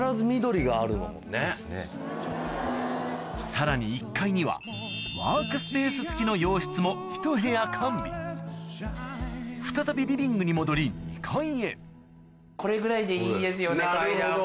さらに１階にはワークスペース付きの洋室もひと部屋完備再びリビングに戻りあぁ。